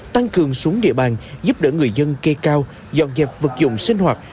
tăng cường xuống địa bàn giúp đỡ người dân kê cao dọn dẹp vật dụng sinh hoạt